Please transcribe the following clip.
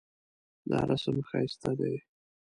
دا رسم ښایسته دی